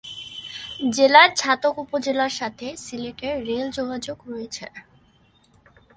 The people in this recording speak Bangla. জেলার ছাতক উপজেলার সাথে সিলেটের রেল যোগাযোগ রয়েছে।